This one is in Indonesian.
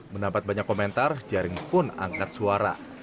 mendapat banyak komentar jarings pun angkat suara